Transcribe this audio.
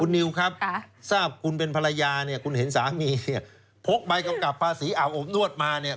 นิวครับทราบคุณเป็นภรรยาเนี่ยคุณเห็นสามีเนี่ยพกใบกำกับภาษีอาบอบนวดมาเนี่ย